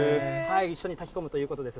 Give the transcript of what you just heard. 一緒に炊き込むということです。